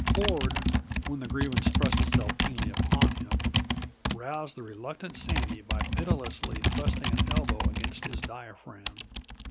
Ford, when the grievance thrust itself keenly upon him, roused the recreant Sandy by pitilessly thrusting an elbow against his diaphragm.